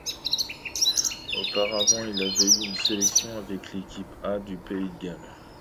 Auparavant, il avait eu une sélection avec l'équipe A du Pays de Galles.